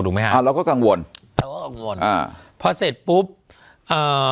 ไหมฮะอ่าเราก็กังวลเราก็กังวลอ่าพอเสร็จปุ๊บอ่า